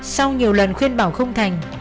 sau nhiều lần khuyên bảo không thành